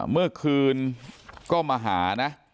เมื่อคืนก็มาหานะ